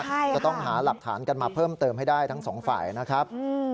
จะต้องหาหลักฐานกันมาเพิ่มเติมให้ได้ทั้งสองฝ่ายนะครับ